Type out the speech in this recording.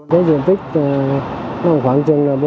cái diện tích nó khoảng chừng là bốn m hai